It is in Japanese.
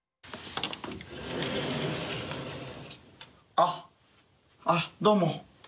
「あっあっどうも。